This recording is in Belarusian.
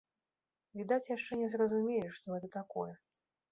Відаць, яшчэ не зразумелі, што гэта такое.